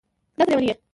دا څه لېونی یې